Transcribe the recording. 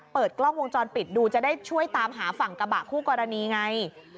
เปิดกล้องวงจรปิดดูจะได้ช่วยตามหาฝั่งกระบะคู่กรณีไง